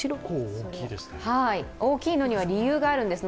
大きいのには理由があるんです。